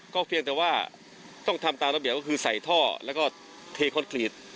เพียงแต่ว่าต้องทำตามระเบียบก็คือใส่ท่อแล้วก็เทคอนกรีต